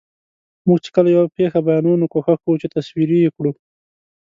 موږ چې کله یوه پېښه بیانوو، نو کوښښ کوو چې تصویري یې کړو.